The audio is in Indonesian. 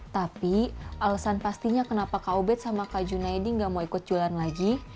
tapi alasan pastinya kenapa kak ubed sama kak junaidi nggak mau ikut jualan lagi